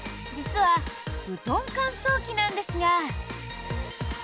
実は布団乾燥機なんですが。